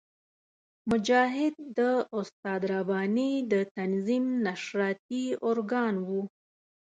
مجاهد د استاد رباني د تنظیم نشراتي ارګان وو.